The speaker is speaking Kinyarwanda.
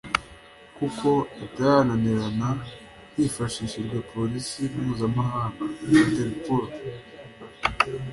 kuko atananirana hifashishijwe polisi mpuzamahanga(Interpol)